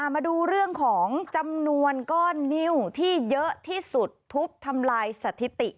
มาดูเรื่องของจำนวนก้อนนิ้วที่เยอะที่สุดทุบทำลายสถิติ